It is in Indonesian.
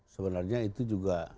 sebenarnya itu juga